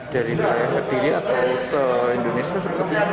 dari kabupaten kediri atau indonesia berkepun